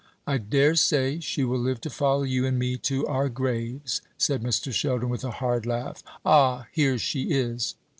"I dare say she will live to follow you and me to our graves," said Mr. Sheldon, with a hard laugh. "Ah, here she is!"